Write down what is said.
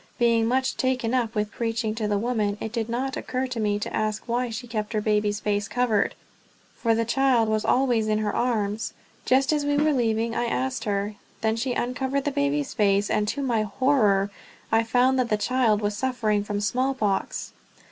Being much taken up with preaching to the women, it did not occur to me to ask why she kept her baby's face covered, for the child was always in her arms. Just as we were leaving I asked her; then she uncovered the baby's face, and to my horror I found that the child was suffering from smallpox!